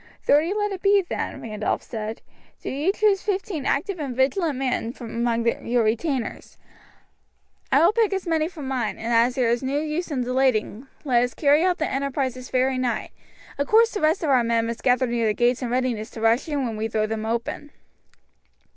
"Thirty let it be then," Randolph said. "Do you choose fifteen active and vigilant men from among your retainers; I will pick as many from mine, and as there is no use in delaying let us carry out the enterprise this very night; of course the rest of our men must gather near the gates in readiness to rush in when we throw them open."